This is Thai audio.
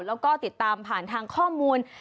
แล้วก็ติดตามผ่านทางข้อมูล